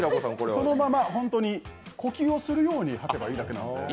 そのまま、本当に呼吸をするように言えばいいだけなので。